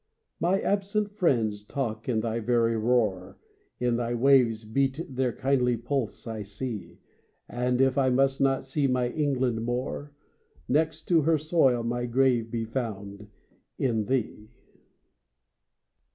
My absent friends talk in thy very roar, In thy waves' beat their kindly pulse I see, And, if I must not see my England more, Next to her soil, my grave be found in thee!